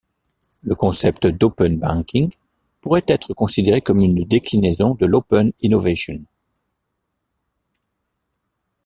Le concept d'Open banking pourrait être considéré comme une déclinaison de l'Open Innovation .